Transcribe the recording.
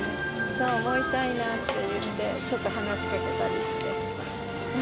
そう思いたいなっていって、ちょっと話しかけたりして。